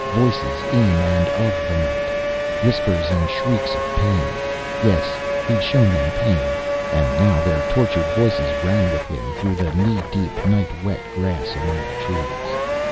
Voices in and of the night. Whispers and shrieks of pain. Yes, he'd shown them pain, and now their tortured voices ran with him through the knee deep, night wet grass among the trees.